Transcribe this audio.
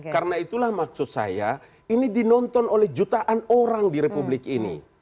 karena itulah maksud saya ini dinonton oleh jutaan orang di republik ini